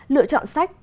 lựa chọn sách